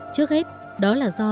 trước hết đó là do